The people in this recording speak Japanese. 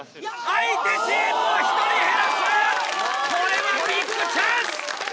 「相手チームを１人減らす」これはビッグチャンス！